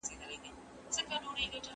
د عقله څخه کار واخله .